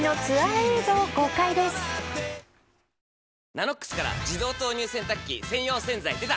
「ＮＡＮＯＸ」から自動投入洗濯機専用洗剤でた！